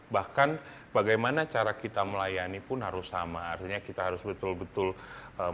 bahkan bagaimana cara kita melayani pun harus sama artinya kita harus betul betul